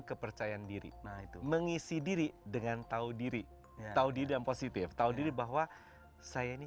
kepercayaan diri nah itu mengisi diri dengan tahu diri tahu diri yang positif tahu diri bahwa saya ini